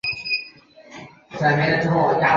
因病致仕。